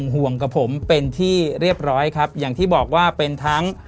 ห่วงกับผมเป็นที่เรียบร้อยครับอย่างที่บอกว่าเป็นทั้ง